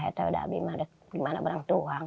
saya tahu ada abang yang berang tuang